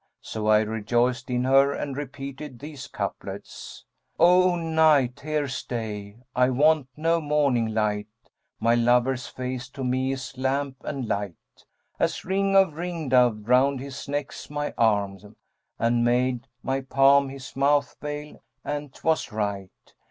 So I rejoiced in her and repeated these couplets, 'O Night here stay! I want no morning light; * My lover's face to me is lamp and light:[FN#205] As ring of ring dove round his necks my arm; * And made my palm his mouth veil, and, twas right.